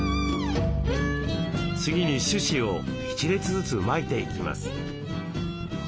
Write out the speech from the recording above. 次に種子を一列ずつまいていきます。